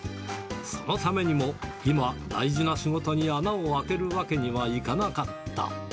そのためにも今、大事な仕事に穴を空けるわけにはいかなかった。